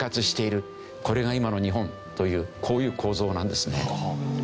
これが今の日本というこういう構造なんですね。